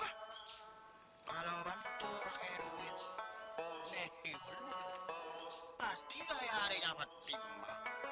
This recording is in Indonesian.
wah kalau bantu pakai duit nih pasti nyari fatime